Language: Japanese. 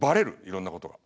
いろんなことが。